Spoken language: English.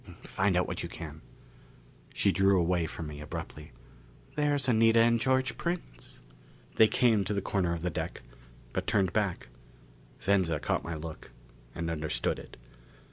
"Find out what you can." She drew away from me abruptly. "There's Anita and George Prince." They came to the corner of the deck, but turned back. Venza caught my look. And understood it.